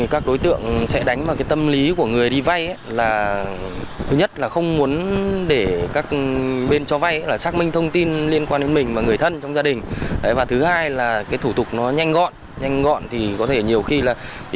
các đối tượng sử dụng thiết bị là decoder